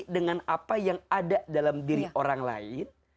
dengan apa yang ada dalam diri orang lain